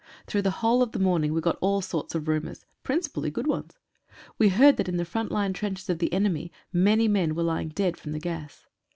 Through the whole of the morning we got all sorts of rumours, principally good ones. We heard that in the front line trenches of the enemy, many men were lying dead from the gas.